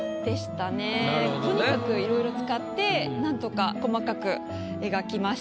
とにかくいろいろ使ってなんとか細かく描きました。